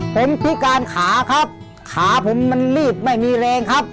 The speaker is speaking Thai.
ผมพิการขาครับขาผมมันลืดไม่มีแรงครับ